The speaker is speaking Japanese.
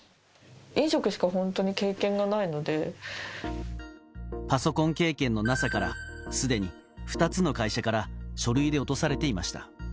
飲食しか本当に経験がないのパソコン経験のなさから、すでに２つの会社から書類で落とされていました。